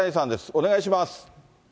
お願いします。